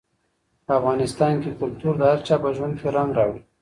په افغانستان کې کلتور د هر چا په ژوند کې رنګ راوړي.